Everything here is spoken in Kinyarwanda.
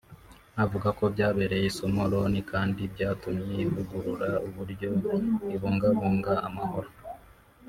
avuga ko byabereye isomo Loni kandi byatumye ivugurura uburyo ibungabunga amahoro